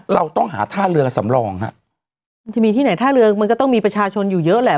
เราต้องหาท่าเรือสำรองฮะมันจะมีที่ไหนท่าเรือมันก็ต้องมีประชาชนอยู่เยอะแหละ